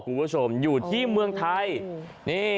คุณผู้ชมอยู่ที่เมืองไทย